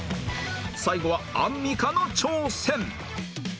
最後はアンミカの挑戦